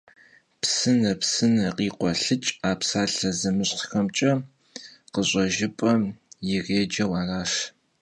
Psıne, psıne khikhuelhıç' - a psalhe zemışhxemç'e khış'ejjıp'em yirêceu araş.